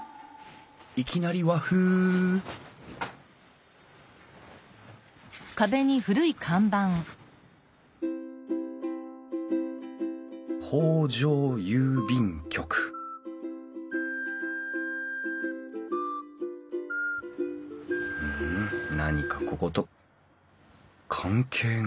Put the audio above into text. いきなり和風「北条郵便局」ふん何かここと関係が？